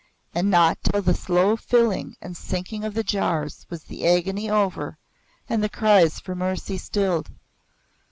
And not till the slow filling and sinking of the jars was the agony over and the cries for mercy stilled.